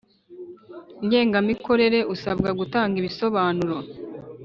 Ngengamikorere usabwa gutanga ibisobanuro